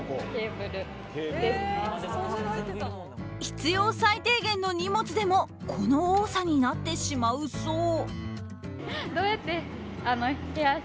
必要最低限の荷物でもこの多さになってしまうそう。